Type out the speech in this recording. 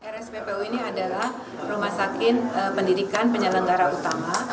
rsppu ini adalah rumah sakit pendidikan penyelenggara utama